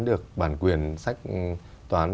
được bản quyền sách toán